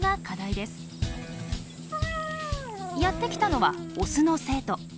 やって来たのはオスの生徒。